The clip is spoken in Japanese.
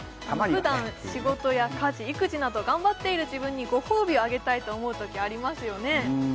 普段仕事や家事育児など頑張っている自分にご褒美をあげたいと思うときありますよね